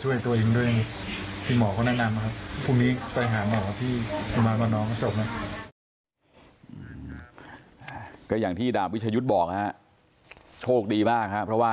โชคดีมากครับเพราะว่า